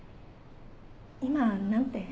今何て？